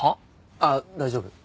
あっ大丈夫。